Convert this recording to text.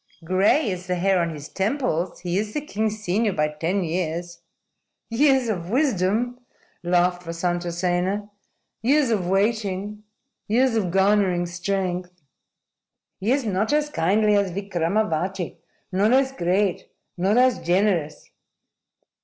"Gray is the hair on his temples. He is the king's senior by ten years." "Years of wisdom," laughed Vasantasena. "Years of waiting. Years of garnering strength." "He is not as kindly as Vikramavati, nor as great, nor as generous."